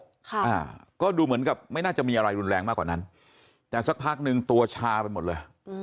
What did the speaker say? ค่ะอ่าก็ดูเหมือนกับไม่น่าจะมีอะไรรุนแรงมากกว่านั้นแต่สักพักหนึ่งตัวชาไปหมดเลยอืม